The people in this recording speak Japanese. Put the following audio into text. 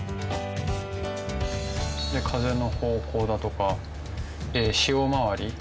風の方向だとか潮回り。